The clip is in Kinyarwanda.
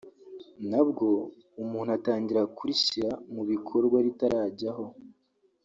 ntabwo umuntu atangira kurishyira mu bikorwa ritarajyaho